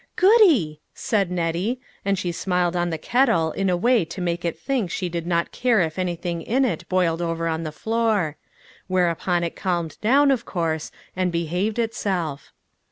" Goody! " said Nettie, and she smiled on the kettle in a way to make it think she did not care if everything in it boiled over on the floor ; whereupon it calmed down, of course, and be haved itself.